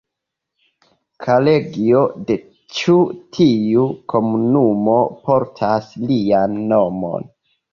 Kolegio de ĉi tiu komunumo portas lian nomon.